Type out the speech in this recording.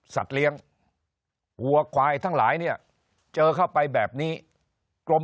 สัตว์เลี้ยงวัวควายทั้งหลายเนี่ยเจอเข้าไปแบบนี้กลม